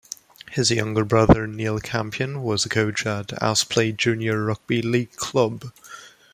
His younger brother Neil Campion was a coach at Aspley Junior Rugby League club.